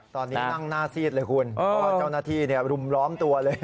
ตอนนี้นั่งหน้าซีดเลยคุณเพราะว่าเจ้าหน้าที่รุมล้อมตัวเลย